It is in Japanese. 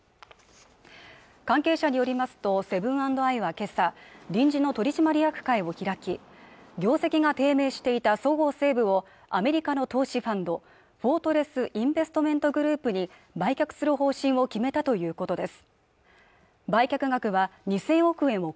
関係者によりますとセブン＆アイはけさ臨時の取締役会を開き業績が低迷していたそごう・西武をアメリカの投資フォートレス・インベストメント・グループに売却する方針を決めたということです